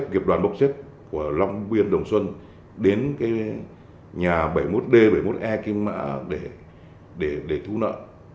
và một số người khác nữa